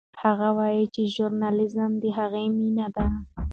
هغه وایي چې ژورنالیزم د هغه مینه ده.